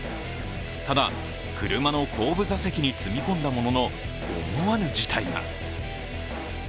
ただ、車の後部座席に積み込んだものの、思わぬ事態が。